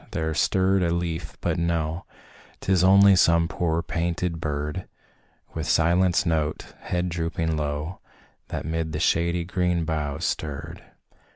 there stirred a leaf, but no, Tis only some poor, panting bird, With silenced note, head drooping low, That 'mid the shady green boughs stirred.